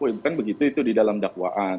bukan begitu itu di dalam dakwaan